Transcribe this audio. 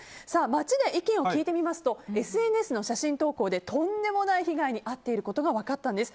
街で意見を聞いてみますとＳＮＳの写真投稿でとんでもない被害に遭っていることが分かったんです。